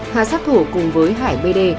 hà sát thủ cùng với hải bd